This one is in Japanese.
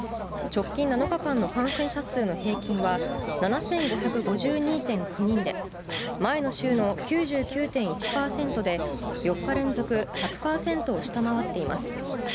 直近７日間の感染者数の平均は、７５５２．９人で、前の週の９９．１％で、４日連続１００％を下回っています。